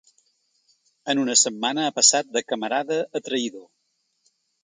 En una setmana ha passat de camarada a traïdor.